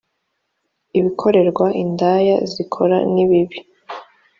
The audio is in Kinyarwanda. ibikorerwa indaya zikora ni bibi